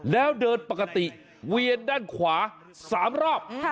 แล้วเดินปกติเวียนด้านขวา๓รอบ